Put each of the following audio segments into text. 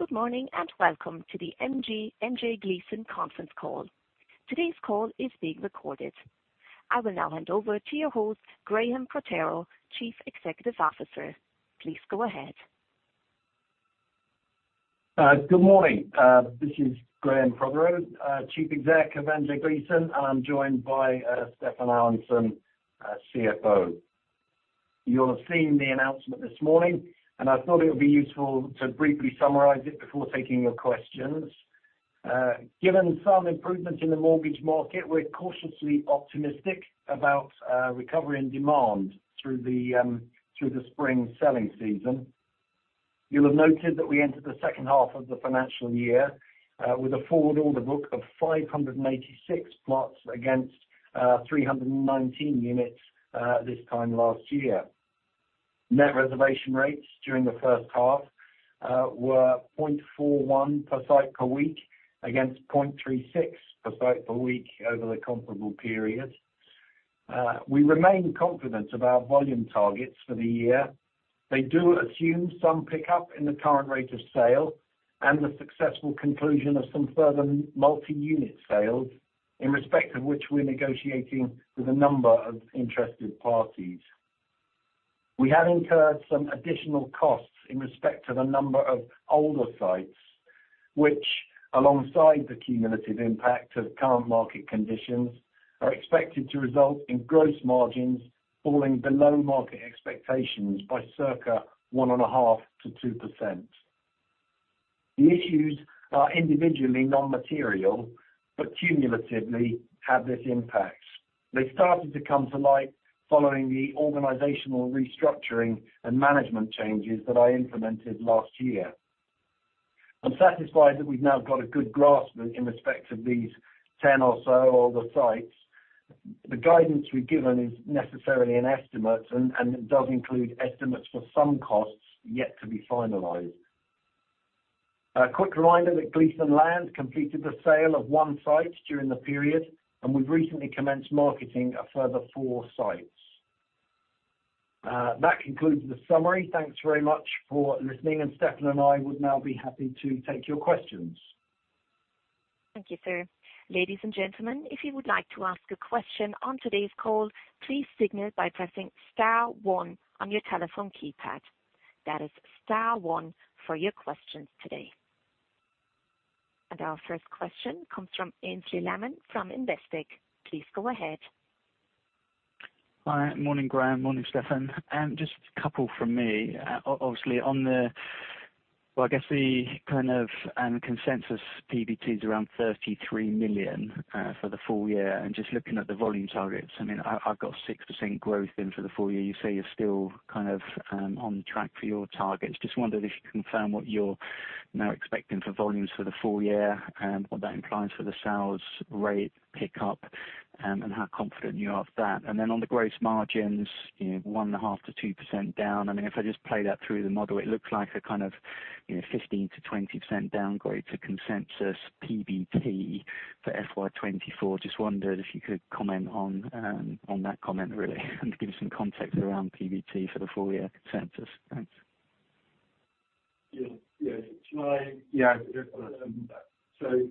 Good morning, and welcome to the MJ Gleeson conference call. Today's call is being recorded. I will now hand over to your host, Graham Prothero, Chief Executive Officer. Please go ahead. Good morning. This is Graham Prothero, Chief Exec of MJ Gleeson, and I'm joined by Stefan Allanson, CFO. You'll have seen the announcement this morning, and I thought it would be useful to briefly summarize it before taking your questions. Given some improvements in the mortgage market, we're cautiously optimistic about recovery and demand through the Spring selling season. You'll have noted that we entered the second half of the financial year with a forward order book of 586 plots against 319 units this time last year. Net reservation rates during the first half were 0.41 per site per week, against 0.36 per site per week over the comparable period. We remain confident about volume targets for the year. They do assume some pickup in the current rate of sale and the successful conclusion of some further multi-unit sales, in respect of which we're negotiating with a number of interested parties. We have incurred some additional costs in respect to the number of older sites, which, alongside the cumulative impact of current market conditions, are expected to result in gross margins falling below market expectations by circa 1.5%-2%. The issues are individually non-material, but cumulatively have this impact. They started to come to light following the organizational restructuring and management changes that I implemented last year. I'm satisfied that we've now got a good grasp in respect of these 10 or so older sites. The guidance we've given is necessarily an estimate, and, and it does include estimates for some costs yet to be finalized. A quick reminder that Gleeson Land completed the sale of one site during the period, and we've recently commenced marketing a further four sites. That concludes the summary. Thanks very much for listening, and Stefan and I would now be happy to take your questions. Thank you, sir. Ladies and gentlemen, if you would like to ask a question on today's call, please signal by pressing star one on your telephone keypad. That is star one for your questions today. And our first question comes from Aynsley Lammin from Investec. Please go ahead. Hi, morning, Graham. Morning, Stefan. Just a couple from me. Obviously, on the... Well, I guess the kind of consensus PBT is around 33 million for the full year. And just looking at the volume targets, I mean, I've got 6% growth in for the full year. You say you're still kind of on track for your targets. Just wondered if you confirm what you're now expecting for volumes for the full year, what that implies for the sales rate pickup, and how confident you are of that. And then on the gross margins, you know, 1.5%-2% down. I mean, if I just play that through the model, it looks like a kind of, you know, 15%-20% downgrade to consensus PBT for FY 2024. Just wondered if you could comment on, on that comment, really, and give some context around PBT for the full year consensus? Thanks. Yeah, yeah. Yeah, so,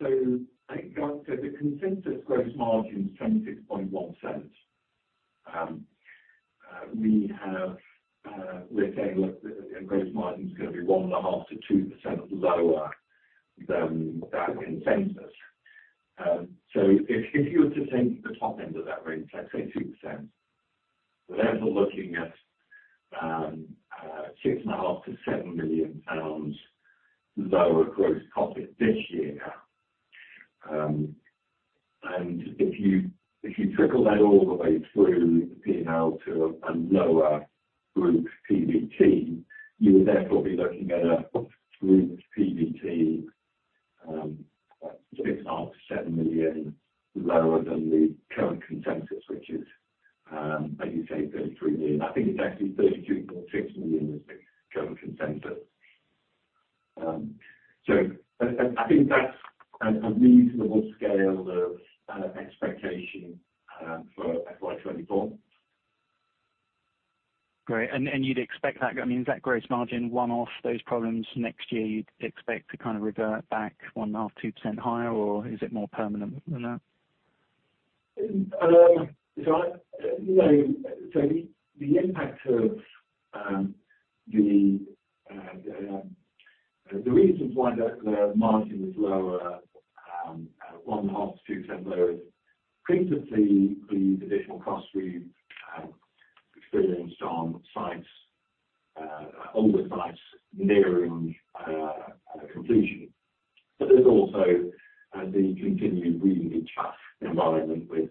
so I think the consensus gross margin is 26.1%. We have, we're saying, look, the gross margin is going to be 1.5%-2% lower than that consensus. So if, if you were to take the top end of that range, let's say 2%, then we're looking at, six and a half to seven million pounds lower gross profit this year. And if you, if you trickle that all the way through P&L to a lower group PBT, you would therefore be looking at a group PBT, 6.5 million-7 million lower than the current consensus, which is, as you say, 33 million. I think it's actually 32.6 million is the current consensus. So I think that's a reasonable scale of expectation for FY 2024. Great. You'd expect that, I mean, is that gross margin one-off those problems next year, you'd expect to kind of revert back 1.5%-2% higher, or is it more permanent than that? So the impact of the reasons why the margin is lower at 1.5%-2% lower is principally the additional costs we experienced on sites, older sites nearing completion. But there's also the continued really tough environment with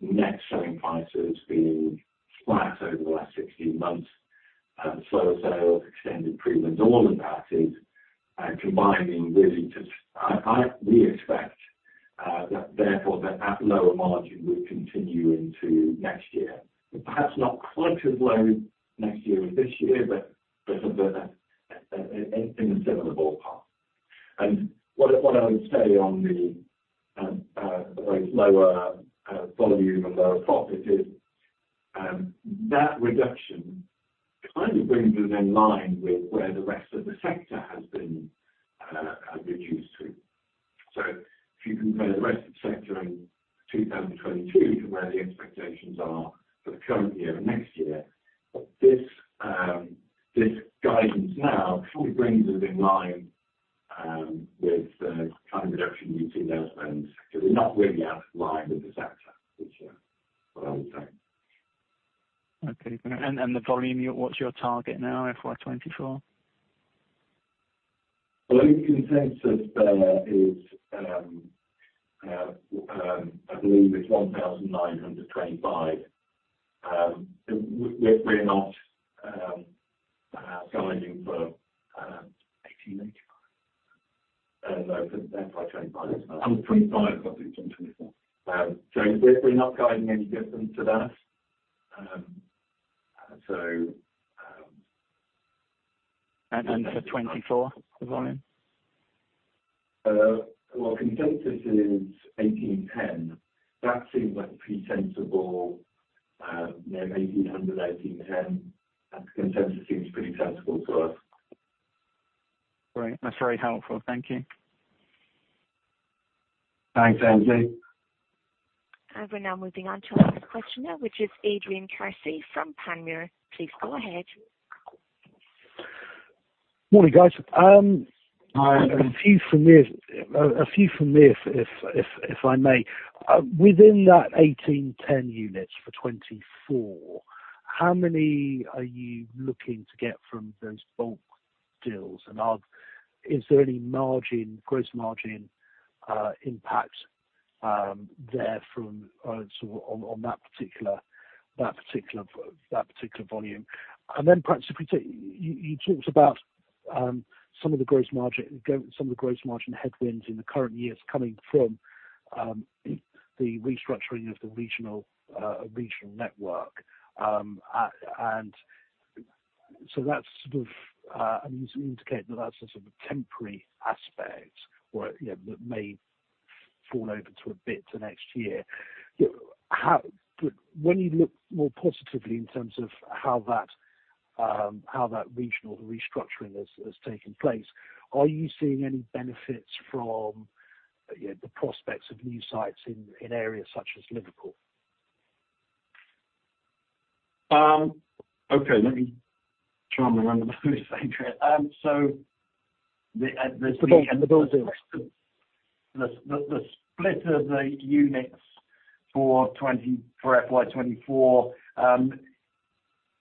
net selling prices being flat over the last 16 months. Slower sales, extended periods, all of that is combining really to— We expect that therefore, that at lower margin will continue into next year. But perhaps not quite as low next year as this year, but, in a similar ballpark.... And what I would say on the those lower volume and lower profit is that reduction kind of brings us in line with where the rest of the sector has been reduced to. So if you compare the rest of the sector in 2022 to where the expectations are for the current year and next year, this this guidance now probably brings us in line with the kind of reduction you'd see in our spend. So we're not really out of line with the sector, which what I would say. Okay. And the volume, what's your target now, FY 2024? Well, the consensus there is, I believe it's 1,925. We're not guiding for 1,885? No, for FY 2025. 2025, I think 2024. So we're not guiding any different to that. So. For 2024, the volume? Well, consensus is 1,810. That seems like pretty sensible, you know, 1,800, 1,810. That consensus seems pretty sensible to us. Great. That's very helpful. Thank you. Thanks, Aynsley. We're now moving on to our next questioner, which is Adrian Kearsey from Panmure. Please go ahead. Morning, guys. I have a few from here, a few from me, if I may. Within that 1,810 units for 2024, how many are you looking to get from those bulk deals? And is there any margin, gross margin, impact there from so on that particular volume? And then perhaps if we take. You talked about some of the gross margin headwinds in the current years coming from the restructuring of the regional network. And so that's sort of, I mean, indicate that that's a sort of temporary aspect or, you know, that may fall over a bit to next year. But when you look more positively in terms of how that regional restructuring has taken place, are you seeing any benefits from, you know, the prospects of new sites in areas such as Liverpool? Okay, let me try and remember this. So the The build, the building. The split of the units for 2024, for FY 2024,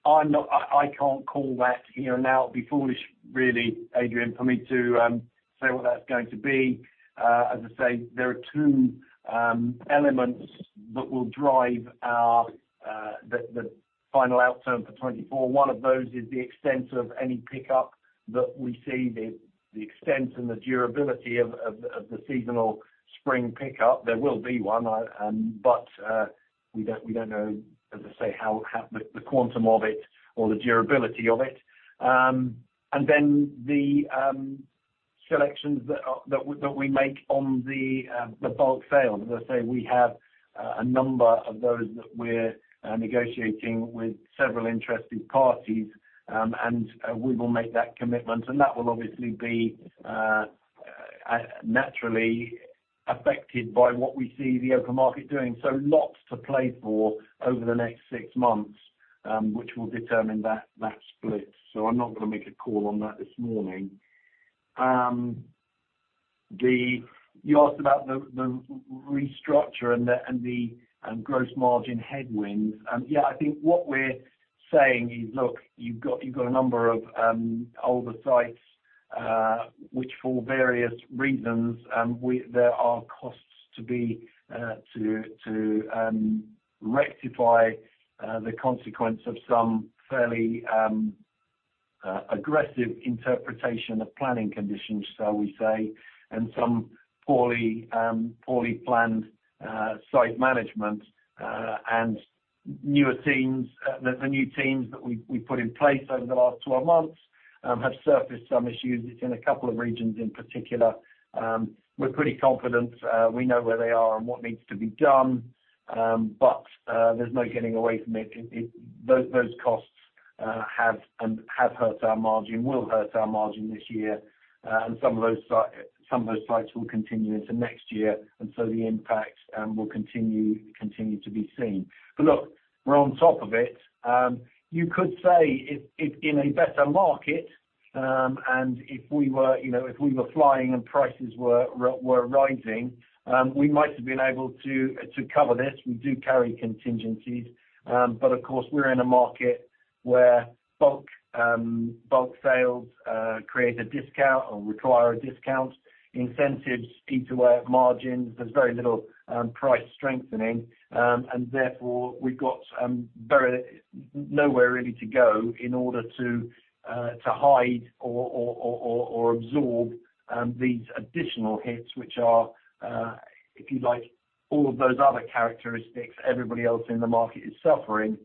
I can't call that here. Now, it'd be foolish, really, Adrian, for me to say what that's going to be. As I say, there are two elements that will drive our final outturn for 2024. One of those is the extent of any pickup that we see, the extent and the durability of the seasonal spring pickup. There will be one, but we don't know, as I say, how the quantum of it or the durability of it. And then the selections that we make on the bulk sales. As I say, we have a number of those that we're negotiating with several interested parties, and we will make that commitment, and that will obviously be naturally affected by what we see the open market doing. So lots to play for over the next six months, which will determine that split. So I'm not gonna make a call on that this morning. You asked about the restructure and the gross margin headwinds. Yeah, I think what we're saying is: Look, you've got, you've got a number of older sites, which for various reasons, we, there are costs to be, to rectify the consequence of some fairly aggressive interpretation of planning conditions, shall we say, and some poorly, poorly planned site management, and newer teams. The, the new teams that we, we put in place over the last 12 months have surfaced some issues in a couple of regions in particular. We're pretty confident, we know where they are and what needs to be done, but there's no getting away from it. It, those, those costs have and have hurt our margin, will hurt our margin this year. And some of those sites will continue into next year, and so the impacts will continue to be seen. But look, we're on top of it. You could say if in a better market, and if we were, you know, if we were flying and prices were rising, we might have been able to cover this. We do carry contingencies. But of course, we're in a market where bulk sales create a discount or require a discount. Incentives eat away at margins. There's very little price strengthening, and therefore we've got nowhere really to go in order to hide or absorb these additional hits, which are, if you like. All of those other characteristics, everybody else in the market is suffering,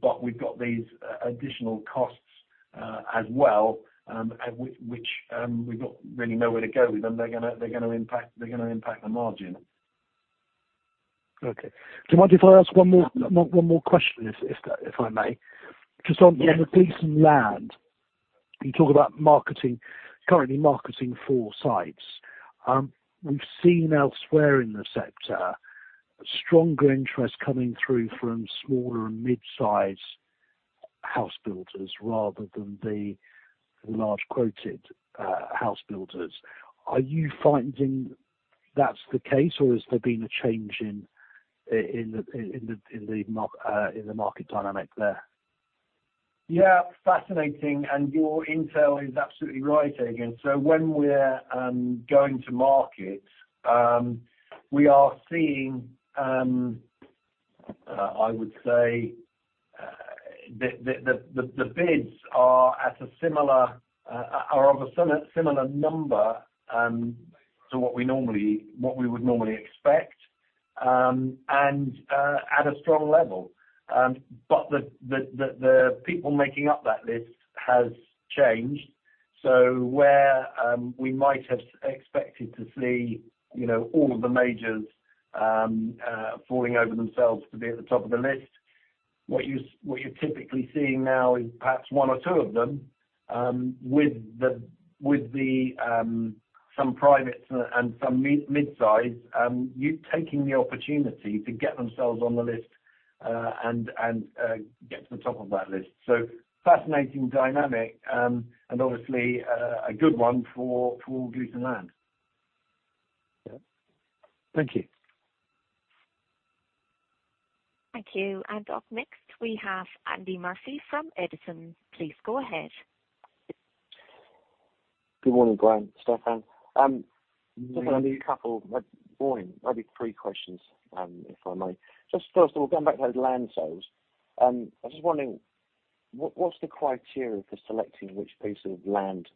but we've got these additional costs as well, and which we've got really nowhere to go with them. They're gonna impact the margin. Okay. Do you mind if I ask one more question, if I may? Just on- Yeah. The Gleeson Land, you talk about marketing, currently marketing four sites. We've seen elsewhere in the sector, stronger interest coming through from smaller and mid-size house builders rather than the large quoted house builders. Are you finding that's the case, or has there been a change in the market dynamic there? Yeah, fascinating, and your intel is absolutely right, again. So when we're going to market, we are seeing, I would say, the bids are at a similar are of a similar number to what we normally, what we would normally expect, and at a strong level. But the people making up that list has changed. So where we might have expected to see, you know, all of the majors falling over themselves to be at the top of the list, what you're typically seeing now is perhaps one or two of them, with the some privates and some mid-size you taking the opportunity to get themselves on the list, and get to the top of that list. Fascinating dynamic, and obviously, a good one for Gleeson Land. Yeah. Thank you. Thank you, and up next, we have Andy Murphy from Edison. Please go ahead. Good morning, Graham, Stefan. Good morning. Just a couple, maybe four, maybe three questions, if I may. Just first of all, going back to those land sales, I was just wondering, what's the criteria for selecting which piece of land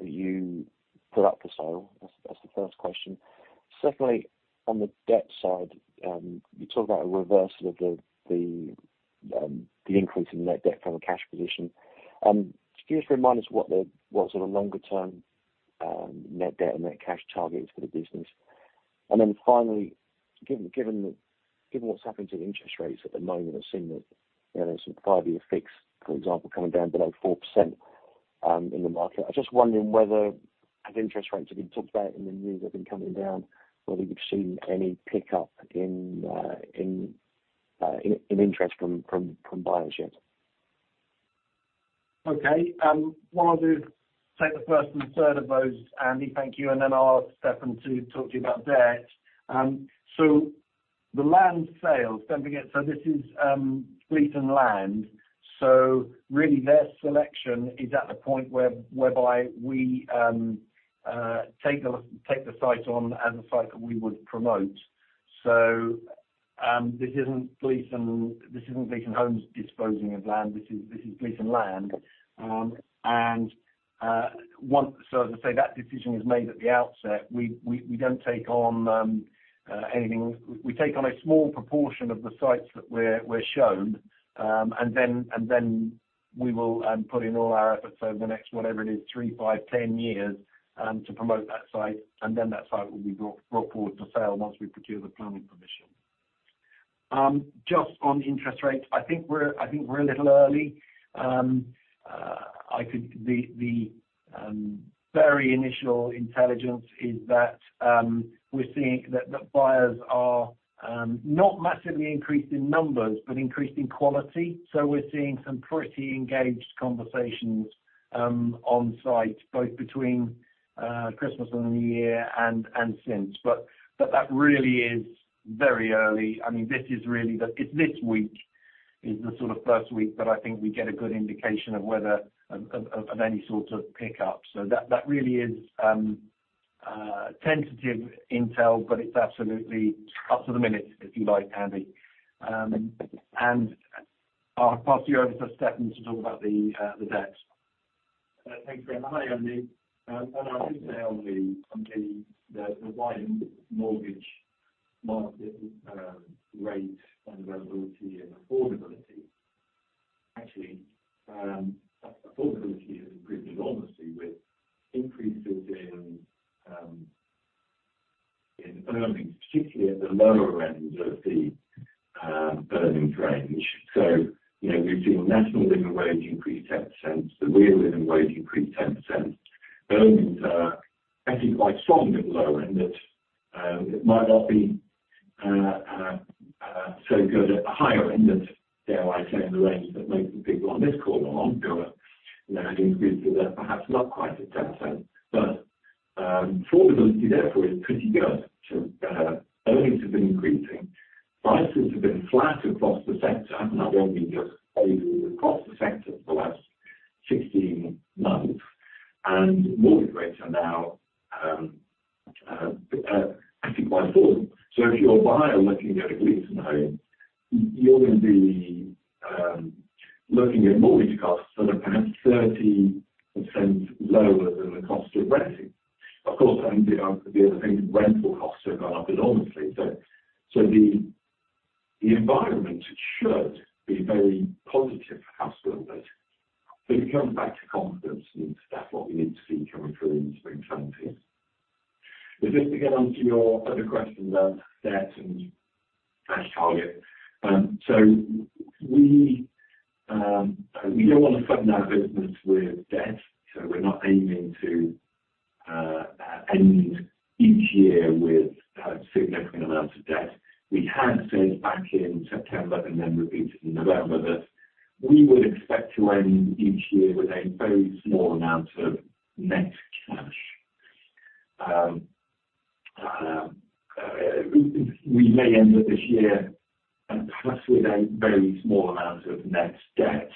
that you put up for sale? That's the first question. Secondly, on the debt side, you talk about a reversal of the increase in net debt from a cash position. Just remind us what sort of longer-term net debt and net cash targets for the business. And then finally, given what's happened to the interest rates at the moment, I've seen that, you know, there's some 5-year fixed, for example, coming down below 4%, in the market. I'm just wondering whether, as interest rates have been talked about in the news, have been coming down, whether you've seen any pickup in interest from buyers yet? Okay, well, I'll do take the first and third of those, Andy, thank you, and then I'll ask Stefan to talk to you about debt. So the land sales, don't forget, so this is Gleeson Land. So really their selection is at the point whereby we take the site on as a site that we would promote. So, this isn't Gleeson, this isn't Gleeson Homes disposing of land. This is Gleeson Land. And, once, so as I say, that decision is made at the outset. We don't take on anything. We take on a small proportion of the sites that we're shown, and then we will put in all our efforts over the next, whatever it is, three, five, 10 years, to promote that site, and then that site will be brought forward for sale once we procure the planning permission. Just on interest rates, I think we're a little early. The very initial intelligence is that we're seeing that the buyers are not massively increased in numbers, but increased in quality. So we're seeing some pretty engaged conversations on site, both between Christmas and the New Year and since. But that really is very early. I mean, this is really the, it's this week is the sort of first week that I think we get a good indication of whether any sort of pickup. So that really is tentative intel, but it's absolutely up to the minute, if you like, Andy. And I'll pass you over to Stefan to talk about the debt. Thanks, Graham. Hi, Andy. And I would say on the wider mortgage market, rate and availability and affordability, actually, affordability has improved enormously with increases in earnings, particularly at the lower end of the earnings range. So you know, we've seen National Living Wage increase 10%, the Real Living Wage increase 10%. Earnings are actually quite strong at the low end. It might not be so good at the higher end of, dare I say, in the range that maybe people on this call are on. You know, have increased perhaps not quite to 10%. But, affordability therefore is pretty good. So, earnings have been increasing. Prices have been flat across the sector, and I won't be just overall across the sector for the last 16 months, and mortgage rates are now actually quite full. So if you're a buyer looking at a Gleeson home, you're going to be, Looking at mortgage costs that are perhaps 30% lower than the cost of renting. Of course, and the other thing, rental costs have gone up enormously. So the environment should be very positive for house builders. But it comes back to confidence, and that's what we need to see coming through in spring 2024. But just to get on to your other question about debt and cash target. So we don't want to fund our business with debt, so we're not aiming to end each year with significant amounts of debt. We had said back in September and then repeated in November, that we would expect to end each year with a very small amount of net cash. We may end up this year, perhaps with a very small amount of net debt,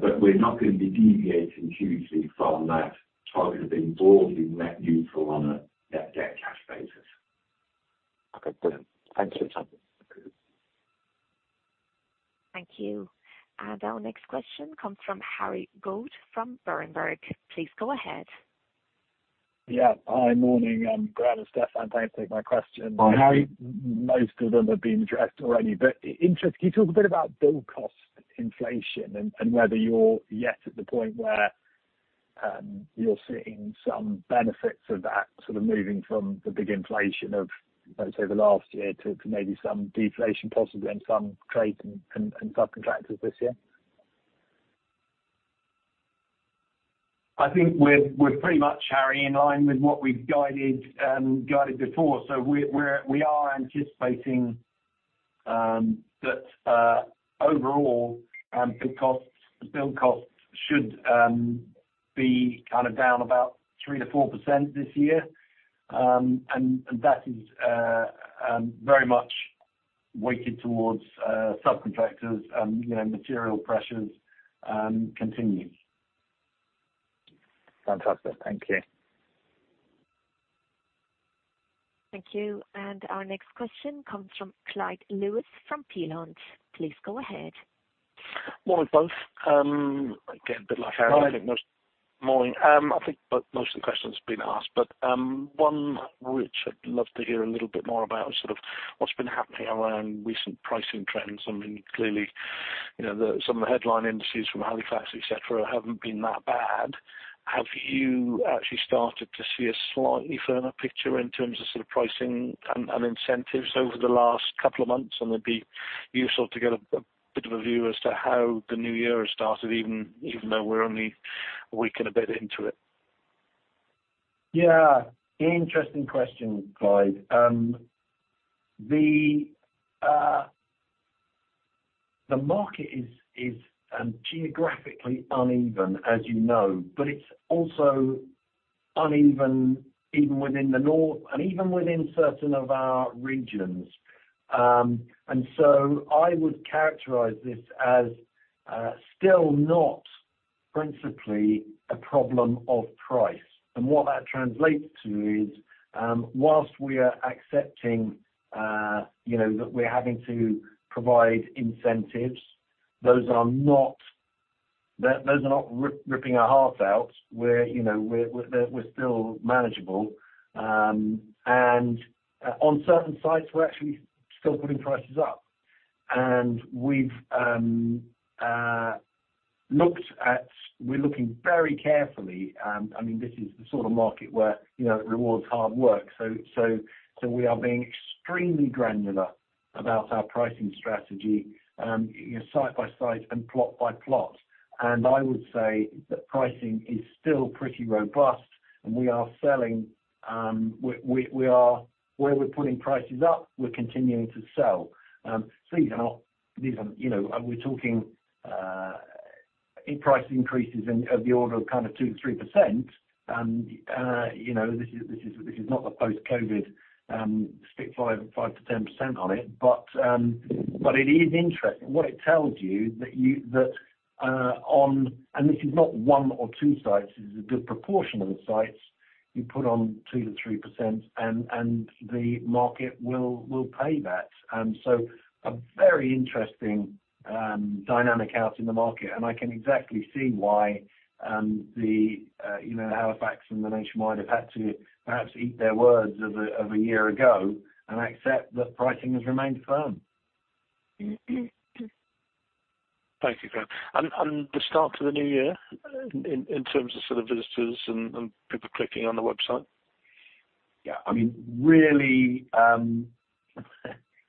but we're not going to be deviating hugely from that target of being broadly net neutral on a net debt cash basis. Okay, brilliant. Thanks for your time. Thank you. Our next question comes from Harry Goad, from Berenberg. Please go ahead. Yeah. Hi, morning, Graham and Stefan, thanks for taking my question. Hi, Harry. Most of them have been addressed already, but in interest, can you talk a bit about build cost inflation and whether you're yet at the point where you're seeing some benefits of that sort of moving from the big inflation of, let's say, the last year to maybe some deflation possibly in some trade and subcontractors this year? I think we're pretty much, Harry, in line with what we've guided before. So we are anticipating that overall build costs, the build costs should be kind of down about 3%-4% this year. And that is very much weighted towards subcontractors, you know, material pressures continuing. Fantastic. Thank you. Thank you. Our next question comes from Clyde Lewis, from Peel Hunt. Please go ahead. Morning, both. Again, bit like Harry- Hi. Morning, I think, but most of the questions have been asked, but one which I'd love to hear a little bit more about is sort of what's been happening around recent pricing trends. I mean, clearly, you know, some of the headline indices from Halifax, et cetera, haven't been that bad. Have you actually started to see a slightly firmer picture in terms of sort of pricing and incentives over the last couple of months? And it'd be useful to get a bit of a view as to how the new year has started, even though we're only a week and a bit into it. Yeah, interesting question, Clyde. The market is geographically uneven, as you know, but it's also uneven even within the North and even within certain of our regions. And so I would characterize this as still not principally a problem of price. And what that translates to is, whilst we are accepting, you know, that we're having to provide incentives, those are not ripping our hearts out. You know, they're still manageable. And on certain sites, we're actually still putting prices up. And we've looked at, we're looking very carefully, I mean, this is the sort of market where, you know, it rewards hard work. So we are being extremely granular about our pricing strategy, you know, site by site and plot by plot. I would say that pricing is still pretty robust, and we are selling. Where we're putting prices up, we're continuing to sell. So, you know, these are, you know, we're talking in price increases of the order of kind of 2%-3%. And, you know, this is not the post-COVID stick 5%-10% on it, but it is interesting. What it tells you is that, on... And this is not one or two sites, this is a good proportion of the sites, you put on 2%-3%, and the market will pay that. And so a very interesting dynamic out in the market, and I can exactly see why you know, the Halifax and the Nationwide have had to perhaps eat their words of a year ago and accept that pricing has remained firm. Thank you, Graham. And the start to the new year, in terms of sort of visitors and people clicking on the website? Yeah, I mean, really,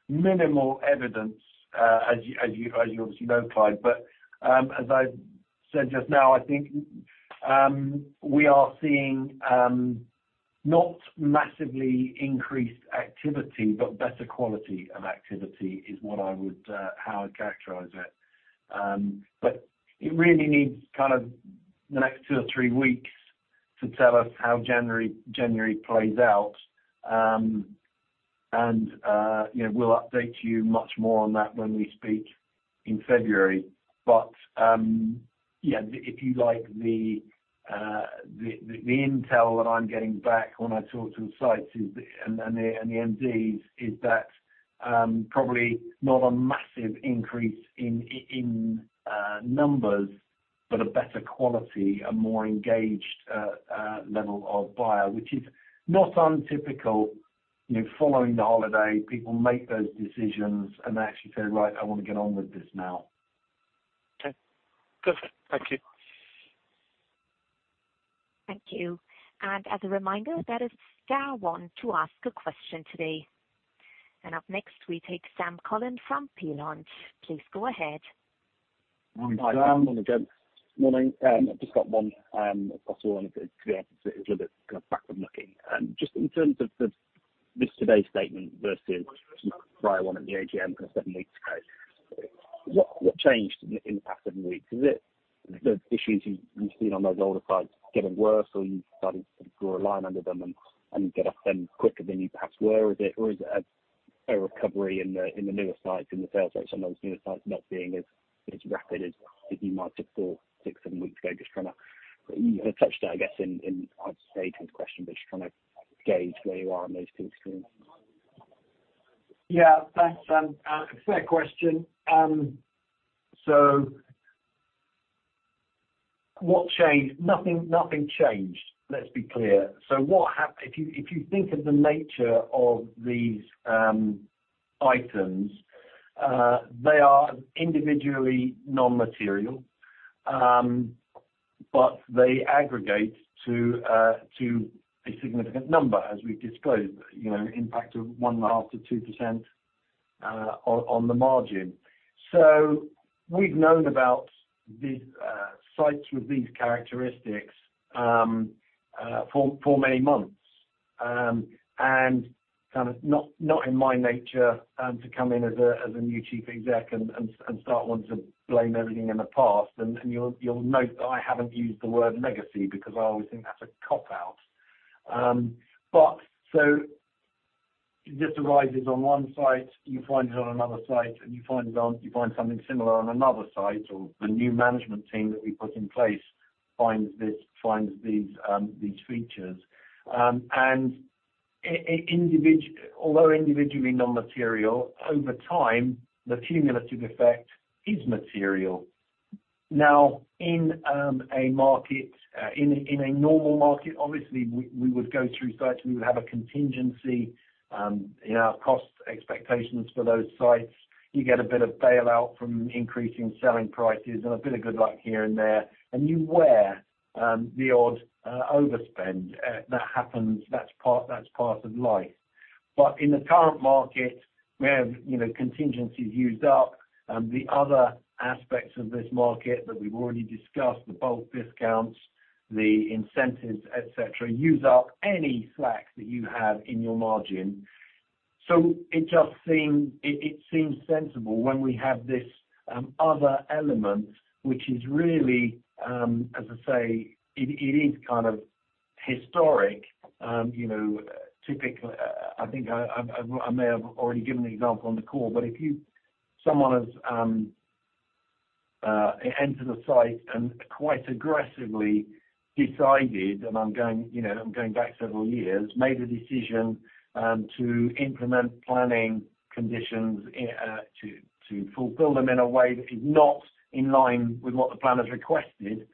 minimal evidence, as you obviously know, Clyde. But, as I've said just now, I think we are seeing not massively increased activity, but better quality of activity is what I would how I'd characterize it. But it really needs kind of the next two or three weeks to tell us how January plays out. And, you know, we'll update you much more on that when we speak in February. Yeah, if you like the intel that I'm getting back when I talk to the sites and the MDs is that probably not a massive increase in numbers, but a better quality, a more engaged level of buyer, which is not untypical. You know, following the holiday, people make those decisions, and they actually say, "Right, I want to get on with this now. Okay, perfect. Thank you. Thank you. As a reminder, that is star one to ask a question today. Up next, we take Sam Cullen from Peel Hunt. Please go ahead. Hi, Sam. Good morning. I've just got one, possible one. It's a little bit kind of backward-looking. Just in terms of the, this today's statement versus the prior one at the AGM kind of seven weeks ago, what, what changed in the past seven weeks? Is it the issues you've seen on those older sites getting worse, or you've started to draw a line under them and, and get at them quicker than you perhaps were? Or is it, or is it a, a recovery in the, in the newer sites, in the sales rate, some of those newer sites not being as, as rapid as, as you might have thought six, seven weeks ago? Just trying to... You touched on it, I guess, in, in I'd say tenth question, but just trying to gauge where you are on those two extremes. Yeah, thanks, Sam. Fair question. So what changed? Nothing, nothing changed, let's be clear. So what if you, if you think of the nature of these items, they are individually non-material, but they aggregate to a significant number, as we've disclosed, you know, impact of 0.5%-2% on the margin. So we've known about these sites with these characteristics for many months. And kind of not in my nature to come in as a new chief exec and start wanting to blame everything in the past. And you'll note that I haven't used the word legacy because I always think that's a cop-out. But so this arises on one site, you find it on another site, and you find something similar on another site, or the new management team that we put in place finds these features. And although individually non-material, over time, the cumulative effect is material. Now, in a normal market, obviously, we would go through sites, we would have a contingency in our cost expectations for those sites. You get a bit of bailout from increasing selling prices and a bit of good luck here and there, and you wear the odd overspend. That happens, that's part of life. But in the current market, we have, you know, contingencies used up. The other aspects of this market that we've already discussed, the bulk discounts, the incentives, et cetera, use up any slack that you have in your margin. So it just seems sensible when we have this other element, which is really, as I say, it is kind of historic. You know, typically, I think I may have already given the example on the call, but if someone has entered the site and quite aggressively decided, and I'm going, you know, I'm going back several years, made the decision to implement planning conditions to fulfill them in a way that is not in line with what the planners requested.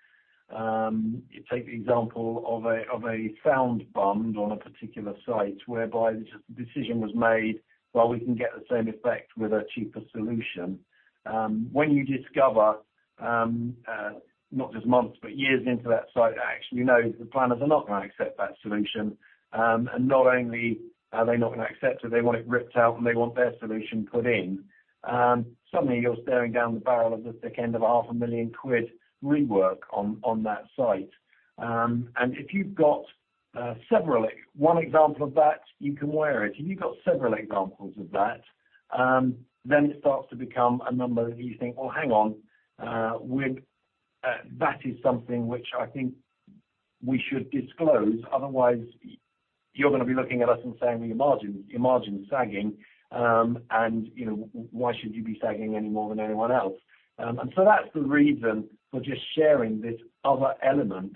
You take the example of a sound bund on a particular site, whereby the decision was made, well, we can get the same effect with a cheaper solution. When you discover, not just months, but years into that site, that actually, no, the planners are not gonna accept that solution. And not only are they not gonna accept it, they want it ripped out, and they want their solution put in. Suddenly, you're staring down the barrel of the thick end of 500,000 quid rework on that site. And if you've got several... One example of that, you can wear it. If you've got several examples of that, then it starts to become a number that you think, "Well, hang on, we're, that is something which I think we should disclose." Otherwise, you're gonna be looking at us and saying, "Your margin, your margin is sagging, and, you know, why should you be sagging any more than anyone else?" And so that's the reason for just sharing this other element,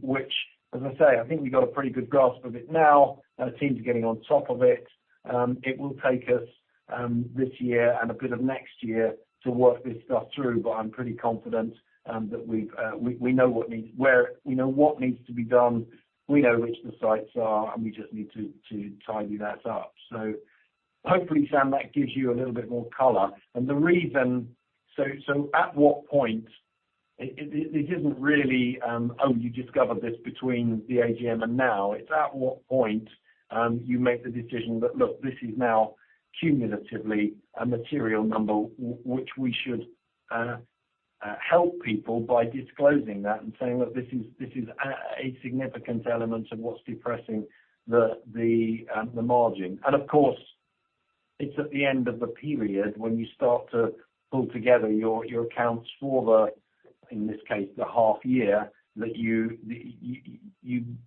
which, as I say, I think we've got a pretty good grasp of it now. Our teams are getting on top of it. It will take us, this year and a bit of next year to work this stuff through, but I'm pretty confident, that we've, we know what needs, where... We know what needs to be done, we know which the sites are, and we just need to tidy that up. So hopefully, Sam, that gives you a little bit more color. And the reason, so at what point, it isn't really, oh, you discovered this between the AGM and now. It's at what point, you make the decision that, look, this is now cumulatively a material number, which we should help people by disclosing that and saying, "Look, this is a significant element of what's depressing the margin." And of course, it's at the end of the period when you start to pull together your accounts for, in this case, the half year, that you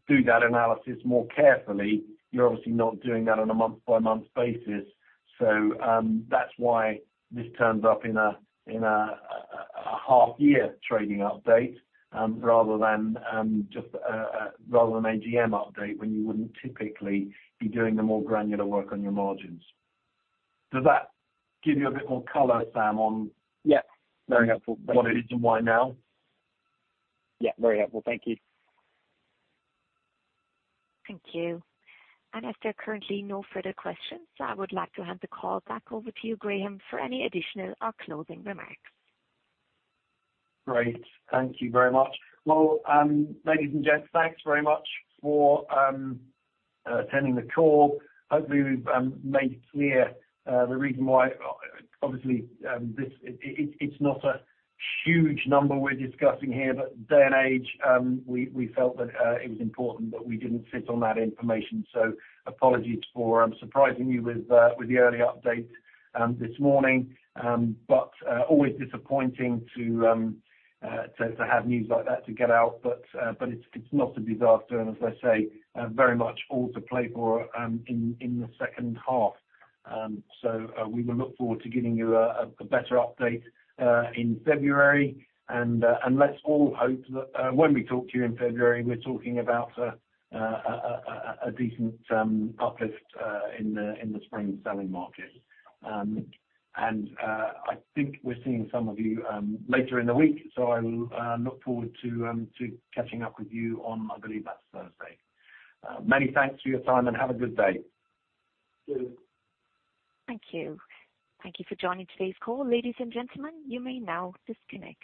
do that analysis more carefully. You're obviously not doing that on a month-by-month basis. So, that's why this turns up in a half-year trading update, rather than just an AGM update when you wouldn't typically be doing the more granular work on your margins. Does that give you a bit more color, Sam, on- Yeah, very helpful. What it is and why now? Yeah, very helpful. Thank you. Thank you. As there are currently no further questions, I would like to hand the call back over to you, Graham, for any additional or closing remarks. Great. Thank you very much. Well, ladies and gents, thanks very much for attending the call. Hopefully, we've made clear the reason why, obviously, this, it, it's not a huge number we're discussing here, but day and age, we felt that it was important that we didn't sit on that information. So apologies for surprising you with the early update this morning. But always disappointing to have news like that to get out. But it's not a disaster, and as I say, very much all to play for in the second half. So we will look forward to giving you a better update in February. Let's all hope that when we talk to you in February, we're talking about a decent uplift in the spring selling market. I think we're seeing some of you later in the week, so I will look forward to catching up with you on, I believe that's Thursday. Many thanks for your time, and have a good day. Thank you. Thank you. Thank you for joining today's call, ladies and gentlemen. You may now disconnect.